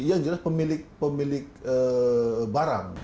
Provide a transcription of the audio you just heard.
yang jelas pemilik pemilik barang